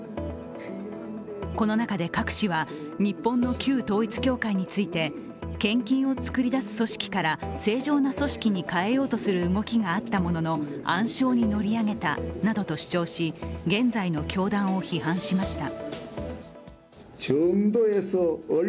この中でカク氏は日本の旧統一教会について、献金を作り出す組織から正常な組織に変えようとする動きがあったものの暗礁に乗り上げたなどと主張し、現在の教団を批判しました。